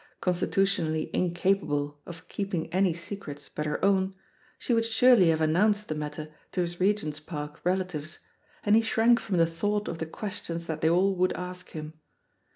Con stitutionally incapable of keeping any secrets but her own, she would surely have annoxmced the THE POSITION OF PEGGY HARPER 1*1 matter to his Regent's Park relatives, and he shrank from the thought of the questions that they all would ask him.